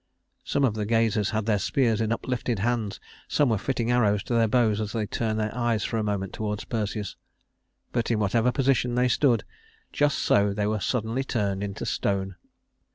Some of the gazers had their spears in uplifted hands; some were fitting arrows to their bows as they turned their eyes a moment toward Perseus; but in whatever position they stood, just so they were suddenly turned into stone.